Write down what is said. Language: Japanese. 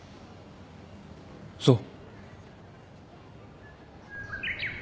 そう。